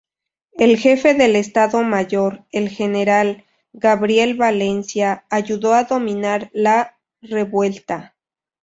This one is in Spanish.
El jefe del Estado Mayor, el general Gabriel Valencia, ayudó a dominar la revuelta.